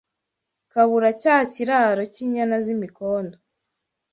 Kabura cya kiraro Cy’inyana z’imikondo